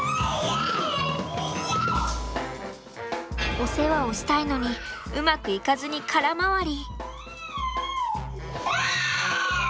お世話をしたいのにうまくいかずに空回り。